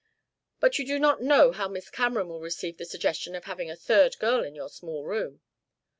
"But you do not know how Miss Cameron will receive the suggestion of having a third girl in your small room?"